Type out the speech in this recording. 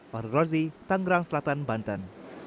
pada waktu ini tanggal selatan banten